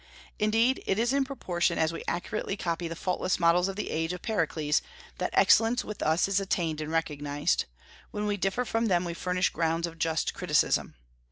Indeed, it is in proportion as we accurately copy the faultless models of the age of Pericles that excellence with us is attained and recognized; when we differ from them we furnish grounds of just criticism.